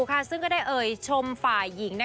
อาหใบ